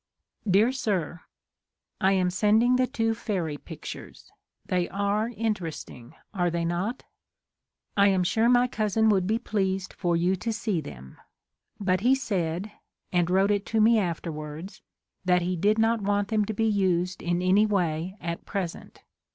Dear Sir, I am sending the two fairy pictures ; they are interesting, are they not ? I am sure my cousin would be pleased for you to see them. But he said (and wrote it to me afterwards) that he did not want them to be used in any way at present.